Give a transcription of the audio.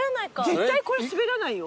絶対これ滑らないよ。